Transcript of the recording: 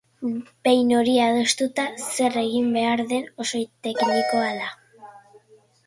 Behin hori adostuta, zer egin behar den oso teknikoa da.